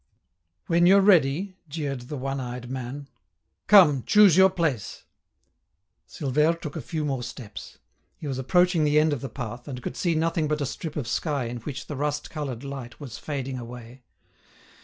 "When you're ready," jeered the one eyed man; "come, choose your place." Silvère took a few more steps. He was approaching the end of the path, and could see nothing but a strip of sky in which the rust coloured light was fading away.